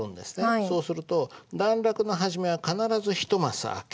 そうすると段落の始めは必ず一マスあける。